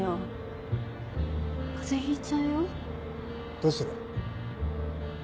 どうする？